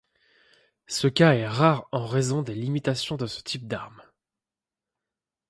Ce cas est rare en raison des limitations de ce type d'arme.